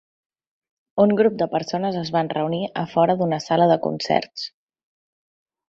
Un grup de persones es van reunir a fora d'una sala de concerts.